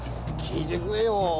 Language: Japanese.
聞いてくれよ！